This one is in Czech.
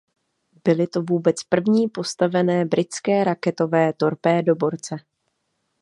Byly to vůbec první postavené britské raketové torpédoborce.